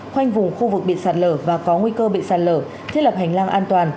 khoanh vùng khu vực bị sạt lở và có nguy cơ bị sạt lở thiết lập hành lang an toàn